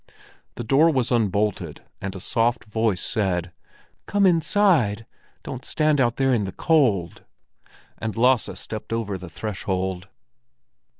The door was unbolted, and a soft voice said: "Come inside! Don't stand out there in the cold!" and Lasse stepped over the threshold.